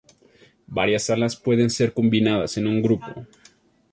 Varias alas pueden ser combinadas en un grupo.